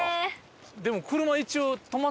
でも。